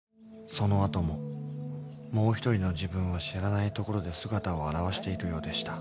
［その後ももう一人の自分は知らないところで姿を現しているようでした］